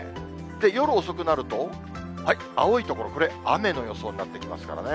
夜遅くなると、青い所、これ、雨の予想になってきますからね。